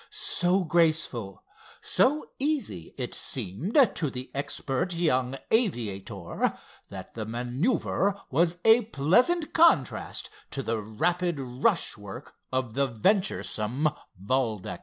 So graceful, so easy it seemed to the expert young aviator, that the maneuver was a pleasant contrast to the rapid rush work of the venturesome Valdec.